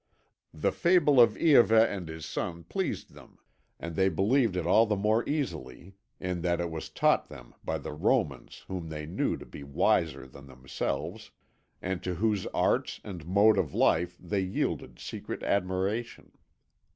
"The fable of Iahveh and his son pleased them, and they believed it all the more easily in that it was taught them by the Romans whom they knew to be wiser than themselves, and to whose arts and mode of life they yielded secret admiration.